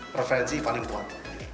preferensi paling kuat